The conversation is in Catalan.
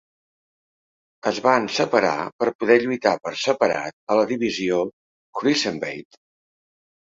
Es van separar per poder lluitar per separat a la divisió cruiserweight.